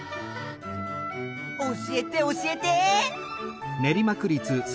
教えて教えて！